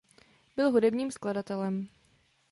Byl hudebním skladatelem.